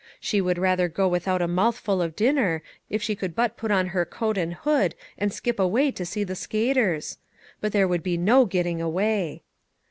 She would rather go without a mouthful of dinner, if she could but put on her coat and hood and 29 MAG AND MARGARET skip away to see the skaters ! But there would be no getting away.